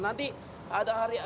nanti ada hari